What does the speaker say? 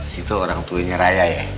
situ orang tuanya raya ya